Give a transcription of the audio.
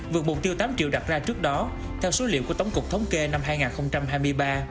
vượt mục tiêu tám triệu đặt ra trước đó theo số liệu của tổng cục thống kê năm hai nghìn hai mươi ba